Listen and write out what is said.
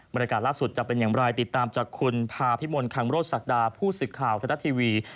บรรยากาศล่าสุดจะเป็นอย่างไรติดตามจากคุณภาพิมลคังโรศักดาผู้สื่อข่าวธนัดทีวี